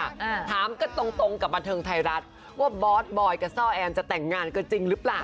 ถามกันตรงตรงกับบันเทิงไทยรัฐว่าบอสบอยกับซ่อแอนจะแต่งงานกันจริงหรือเปล่า